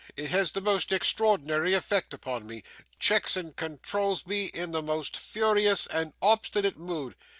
It has the most extraordinary effect upon me, checks and controls me in the most furious and obstinate mood.